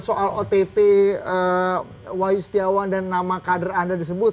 soal ott wayu setiawan dan nama kader anda disebut